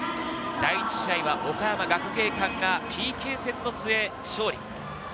第１試合は岡山学芸館がＰＫ戦の末、勝利。